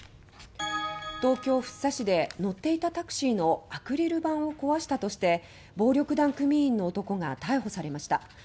東京・福生市で乗っていたタクシーのアクリル板を壊したとして暴力団組員の男が逮捕されました。